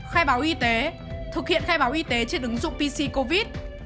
khai báo y tế thực hiện khai báo y tế trên ứng dụng pc covid